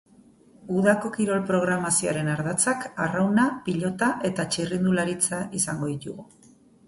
Udako kirol programazioaren ardatzak arrauna, pilota eta txirrindularitza izango ditugu.